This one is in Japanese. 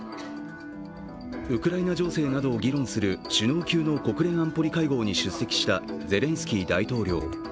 ウクライナ情勢などを議論する首脳級の国連安全保障理事会に出席したゼレンスキー大統領